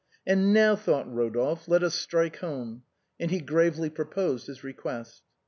"And now," thought Eodolphe, " let us strike home." And he gravely proposed his request.